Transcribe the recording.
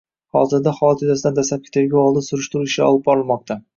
Hozirda holat yuzasidan dastlabki tergov oldi surishtiruv ishlari olib borilmoqda